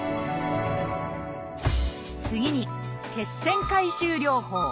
次に「血栓回収療法」。